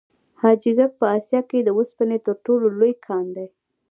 حاجي ګک په اسیا کې د وسپنې تر ټولو لوی کان دی.